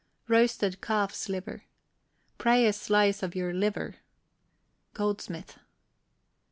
ROASTED CALF'S LIVER. Pray a slice of your liver. GOLDSMITH.